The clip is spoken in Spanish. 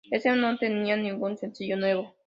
Este no contenía ningún sencillo nuevo.